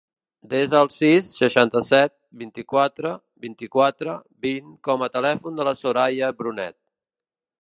Desa el sis, seixanta-set, vint-i-quatre, vint-i-quatre, vint com a telèfon de la Soraya Brunet.